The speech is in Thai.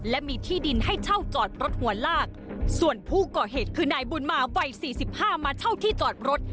และมีที่ดินให้เช่าจอดรถหัวลากส่วนผู้ก่อเหตุคือนายบุญมาวัยสี่สิบห้ามาเช่าที่จอดรถ